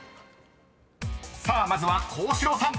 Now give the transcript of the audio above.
［さあまずは幸四郎さん］